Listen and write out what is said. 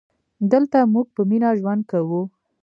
دلته مونږ په مینه ژوند کوو